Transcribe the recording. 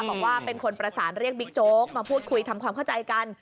บอกว่าเป็นคนประสานเรียกบิ๊กโจ๊กมาพูดคุยทำความเข้าใจกัน